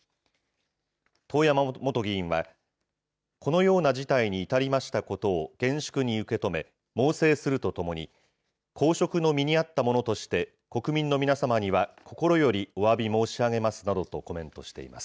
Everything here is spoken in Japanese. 遠山元議員は、このような事態に至りましたことを厳粛に受け止め、猛省するとともに、公職の身にあった者として、国民の皆様には心よりおわび申し上げますなどとコメントしています。